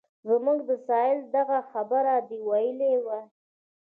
زموږ د سایل دغه خبره دې ویلې وای.